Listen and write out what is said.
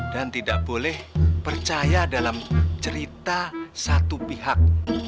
dan tidak boleh percaya dalam cerita satu pihak